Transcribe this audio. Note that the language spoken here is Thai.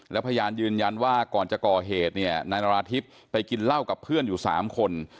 และพยานยืนยันว่าก่อนจะก่อเหตุเนี่ยนายนาราธิบไปกินเหล้ากับเพื่อนอยู่๓คน